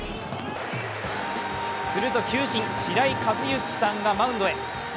すると球審・白井一行さんがマウンドへ。